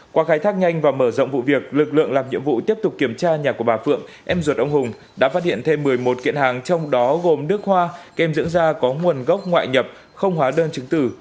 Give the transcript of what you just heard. qua khai thác nhanh và mở rộng vụ việc lực lượng làm nhiệm vụ tiếp tục kiểm tra nhà của bà phượng em ruột ông hùng đã phát hiện thêm một mươi một kiện hàng trong đó gồm nước hoa kem dưỡng da có nguồn gốc ngoại nhập không hóa đơn chứng tử